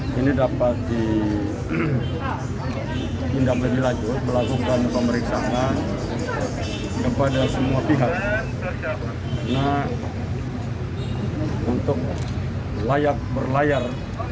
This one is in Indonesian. karena untuk layak berlayar